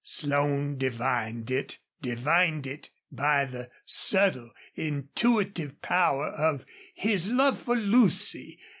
Slone divined it divined it by the subtle, intuitive power of his love for Lucy.